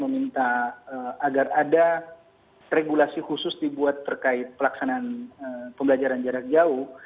meminta agar ada regulasi khusus dibuat terkait pelaksanaan pembelajaran jarak jauh